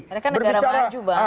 ada kan negara maju bang